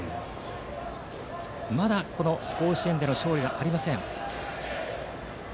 まだ、甲子園での勝利がありません。